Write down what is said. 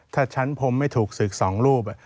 ถ้าฉันพรมไม่ถูกศึกสองรูป